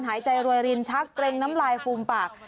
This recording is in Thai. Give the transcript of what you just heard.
หายใจรวยรินชักเกร็งน้ำลายฟูมปาก